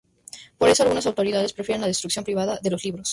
Por eso algunas autoridades prefieren la destrucción privada de los libros.